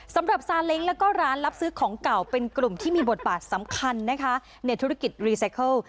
สำหรับซาเล้งแล้วก็ร้านรับซื้อของเก่าเป็นกลุ่มที่มีบทบาทสำคัญนะคะในธุรกิจรีไซเคิล